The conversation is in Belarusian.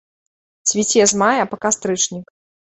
Цвіце з мая па кастрычнік.